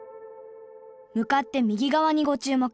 向かって右側にご注目。